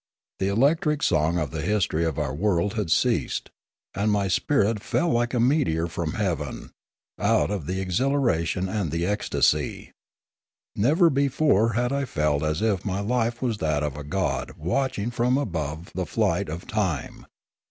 The electric song of the history of our world had ceased, and my spirit fell like a meteor from heaven, out of the exhilaration and the ecstasy. 144 Limanora Never before had I felt as if my life was that of a god watching from above the flight of time.